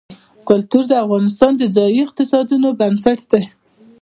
کلتور د افغانستان د ځایي اقتصادونو بنسټ دی.